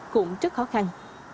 cũng rất khó khăn